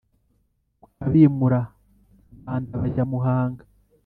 ukabimura rwanda bajya muhanga